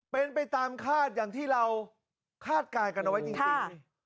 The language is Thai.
เป็นไปตามคาดอย่างที่เราคาดการณ์กันเอาไว้จริง